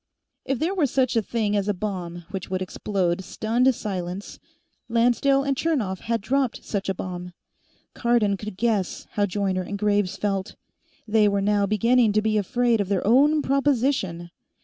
If there were such a thing as a bomb which would explode stunned silence, Lancedale and Chernov had dropped such a bomb. Cardon could guess how Joyner and Graves felt; they were now beginning to be afraid of their own proposition.